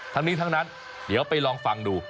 ทั้งนี้ทั้งนั้นเดี๋ยวไปลองฟังดู